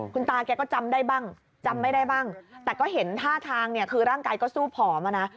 คุณตาแกก็จำได้บ้างจำไม่ได้บ้างแต่ก็เห็นท่าทางเนี่ยคือร่างกายก็สู้ผอมอ่ะนะ